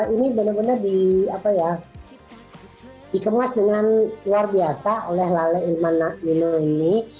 ini bener bener dikemas dengan luar biasa oleh lale ilman nino ini